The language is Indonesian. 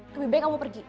lebih baik kamu pergi